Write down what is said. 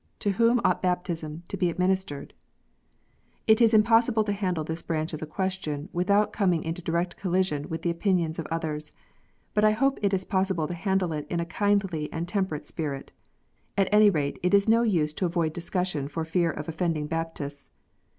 To whom ought baptism to be administered ? It is impossible to handle this branch of the question without coming into direct collision with the opinions of others. But I hope it is possible to handle it in a kindly and temperate spirit. At any rate it is no use to avoid discussion for fear of offending Baptists.